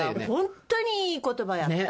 本当にいい言葉やった。